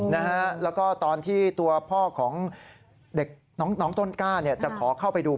แล้วก็ตอนที่ตัวพ่อของเด็กน้องต้นกล้าเนี่ยจะขอเข้าไปดู